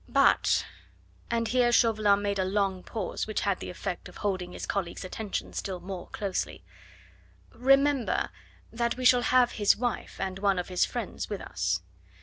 But" and here Chauvelin made a long pause, which had the effect of holding his colleague's attention still more closely "remember that we shall have his wife and one of his friends with us.